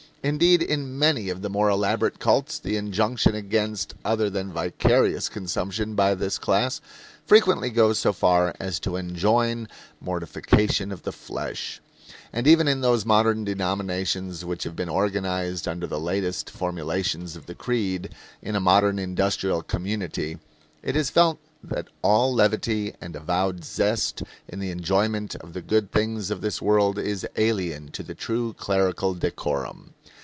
Indeed, in many of the more elaborate cults the injunction against other than vicarious consumption by this class frequently goes so far as to enjoin mortification of the flesh. And even in those modern denominations which have been organized under the latest formulations of the creed, in a modern industrial community, it is felt that all levity and avowed zest in the enjoyment of the good things of this world is alien to the true clerical decorum.